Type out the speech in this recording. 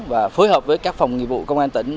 và phối hợp với các phòng nghiệp vụ công an tp bùi mà thuật